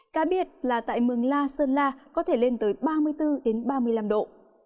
cá biệt là tại mường la sơn la có thể lên tới ba mươi bốn ba mươi năm độ